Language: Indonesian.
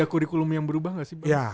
ada kurikulum yang berubah gak sih bang